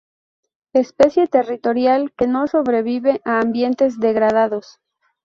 Especie territorial que no sobrevive a ambientes degradados.